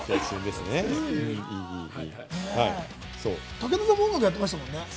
武田さんも音楽やってましたもんね。